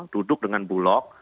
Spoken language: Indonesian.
duduk dengan bulog